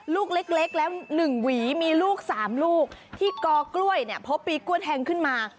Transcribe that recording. ลูกเล็กแล้ว๑หวีมีลูก๓ลูกที่กอกล้วยเนี่ยพบปีกล้วยแทงขึ้นมา